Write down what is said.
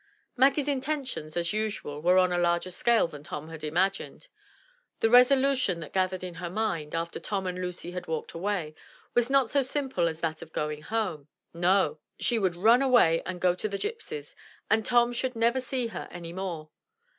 Maggie's intentions, as usual, were on a larger scale than Tom had imagined. The resolution that gathered in her mind, after Tom and Lucy had walked away, was not so simple as that of going home. No! she would run away and go to the gypsies, and Tom should never see her any more.